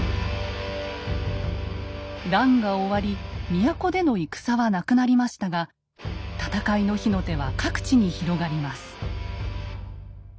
乱が終わり都での戦はなくなりましたが戦いの火の手は各地に広がります。